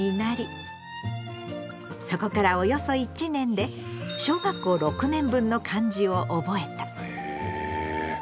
そこからおよそ１年で小学校６年分の漢字を覚えた。